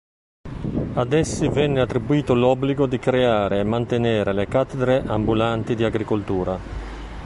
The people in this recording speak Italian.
Ad essi venne attribuito l'obbligo di creare e mantenere le cattedre ambulanti di agricoltura.